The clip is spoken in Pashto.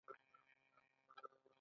د افغانستان وچې میوې نړیوال شهرت لري